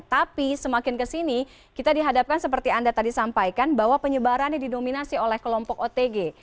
tapi semakin kesini kita dihadapkan seperti anda tadi sampaikan bahwa penyebarannya didominasi oleh kelompok otg